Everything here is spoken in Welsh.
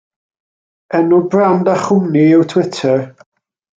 Enw brand a chwmni yw Twitter.